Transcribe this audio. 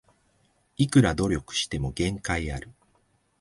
いくら努力しても限界ある